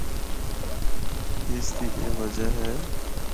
اُس دی اے وجہ اے۔